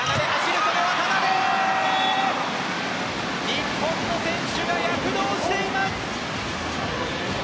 日本の選手が躍動しています！